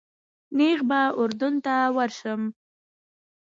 نیغ به اردن ته ورشم.